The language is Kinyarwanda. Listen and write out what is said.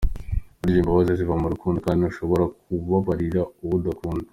Burya imbabazi ziva mu rukundo, kandi ntushobora kubabarira uwo udakunda.